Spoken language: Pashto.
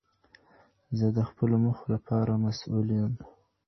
زه د خپلو موخو لپاره مسؤل يم.